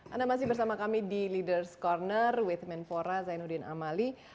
anda masih bersama kami di leaders' corner with menpora zainuddin amali